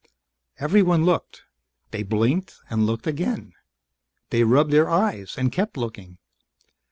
Everyone looked. They blinked and looked again. They rubbed their eyes and kept looking.